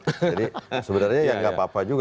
jadi sebenarnya ya gak apa apa juga